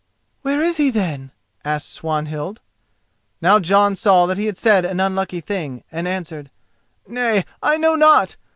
"Where is he, then?" asked Swanhild. Now Jon saw that he had said an unlucky thing, and answered: "Nay, I know not.